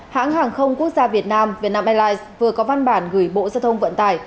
hãng hàng không quốc gia việt nam vietnam airlines vừa có văn bản gửi bộ giao thông vận tải